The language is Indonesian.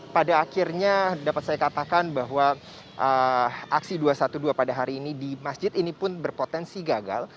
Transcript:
pada akhirnya dapat saya katakan bahwa aksi dua ratus dua belas pada hari ini di masjid ini pun berpotensi gagal